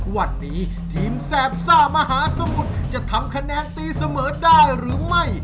วันนี้ทีมแสบซ่ามหาสมุทรจะทำคะแนนตีเสมอได้หรือไม่